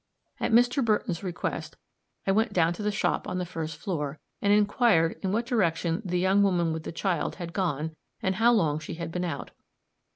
At Mr. Burton's request I went down to the shop on the first floor, and inquired in what direction the young woman with the child had gone, and how long she had been out.